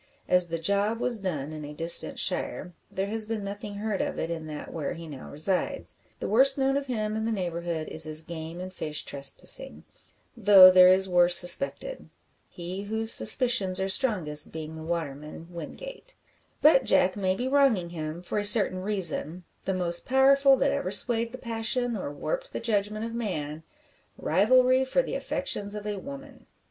As the "job" was done in a distant shire, there has been nothing heard of it in that where he now resides. The worst known of him in the neighbourhood is his game and fish trespassing, though there is worse suspected. He whose suspicions are strongest being the waterman, Wingate. But Jack may be wronging him, for a certain reason the most powerful that ever swayed the passion or warped the judgment of man rivalry for the affections of a woman.